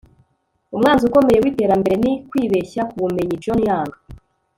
umwanzi ukomeye w'iterambere ni kwibeshya ku bumenyi. - john young